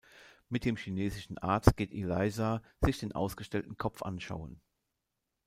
Mit dem chinesischen Arzt geht Eliza sich den ausgestellten Kopf anschauen.